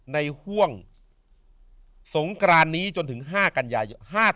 ห่วงสงกรานนี้จนถึง๕กันยายน